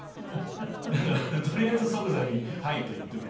だからとりあえず即座に「はい」と言っておく事ですね。